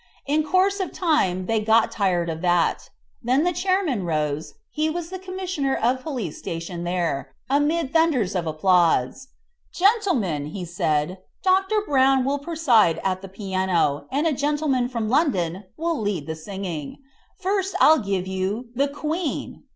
In course of time they got tired of that; then the chairman rose (he was the Commissioner of Police stationed there) amid thunders of applause. "Gentlemen," said he, "Dr. Brown will preside at the piano, and a gentleman from London will lead the singing. First I'll give you 'The Queen'."